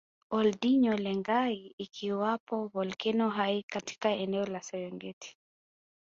Ol Doinyo Lengai ikiwapo volkeno hai katika eneo la Serengeti